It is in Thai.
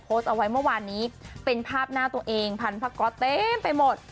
โพสต์เอาไว้เมื่อวานนี้เป็นภาพหน้าตัวเองพันพระก๊อตเต็มไปหมด